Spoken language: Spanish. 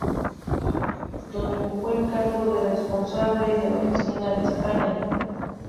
Donde ocupó el cargo de Responsable de la oficina de España.